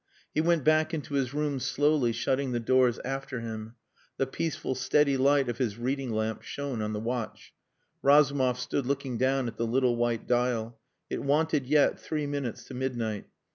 He went back into his room slowly, shutting the doors after him. The peaceful steady light of his reading lamp shone on the watch. Razumov stood looking down at the little white dial. It wanted yet three minutes to midnight.